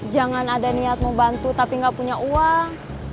jangan ada niat mau bantu tapi nggak punya uang